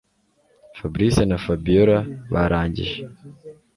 Fabric na Fabiora barangije